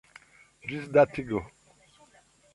ĝisdatigo